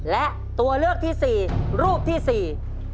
และตัวเลือกที่๔รูปที่๔